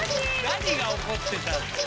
何が起こってたんだよ。